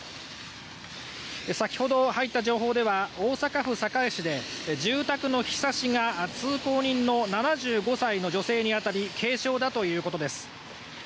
先ほど入った情報では大阪府堺市で住宅のひさしが通行人の７５歳の女性に当たり軽傷だということです。